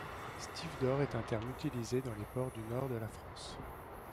Stevedore est un terme utilisé dans les ports du Nord de la France.